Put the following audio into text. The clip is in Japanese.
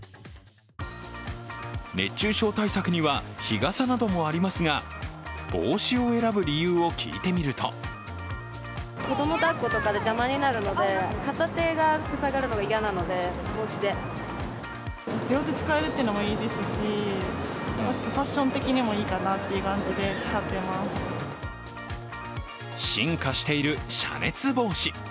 熱中症対策には日傘などもありますが、帽子を選ぶ理由を聞いてみると進化している遮熱帽子。